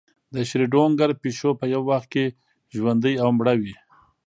د شروډنګر پیشو په یو وخت کې ژوندۍ او مړه وي.